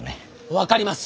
分かります！